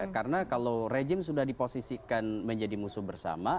karena kalau regim sudah diposisikan menjadi musuh bersama